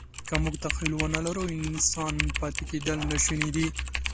که موږ تخیل ونهلرو، انسان پاتې کېدل ناشوني دي.